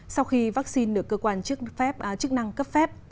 sau khi vaccine được cơ quan chức năng cấp phép